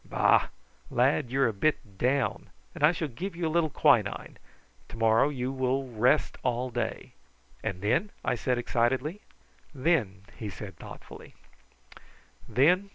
Bah! lad: you're a bit down, and I shall give you a little quinine. To morrow you will rest all day." "And then?" I said excitedly. "Then," he said thoughtfully "then?